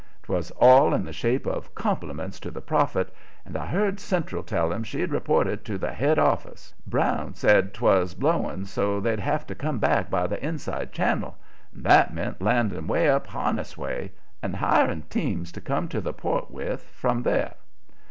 'Twas all in the shape of compliments to the prophet, and I heard Central tell him she'd report it to the head office. Brown said 'twas blowing so they'd have to come back by the inside channel, and that meant landing 'way up Harniss way, and hiring teams to come to the Port with from there.